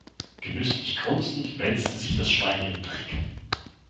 Genüsslich grunzend wälzte sich das Schwein im Dreck.